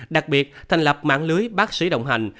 đặc biệt thành lập mạng lưới bác sĩ đồng hành